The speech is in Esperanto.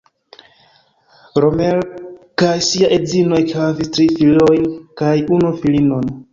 Lemaire kaj sia edzino ekhavis tri filojn kaj unu filinon.